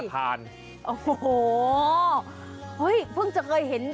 เฮ้ยเพิ่งจะเคยเห็น